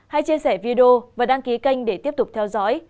hãy chia sẻ video và đăng ký kênh để tiếp tục theo dõi